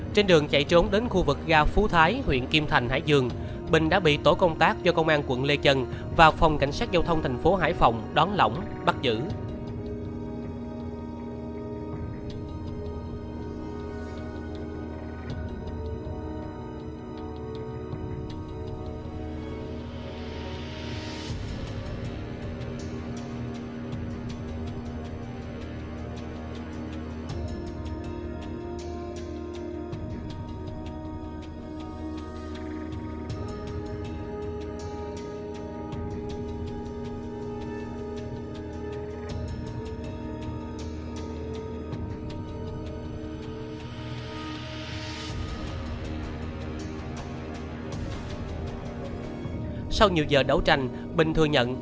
trên đường chạy trốn đến khu vực ga phú thái huyện kim thành hải dương bình đã bị tổ công tác do công an quận lê trần và phòng cảnh sát giao thông thành phố hải phòng đón lỏng bắt giữ